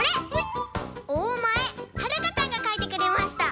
おおまえはるかちゃんがかいてくれました。